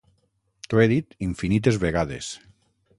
T'ho he dit infinites vegades.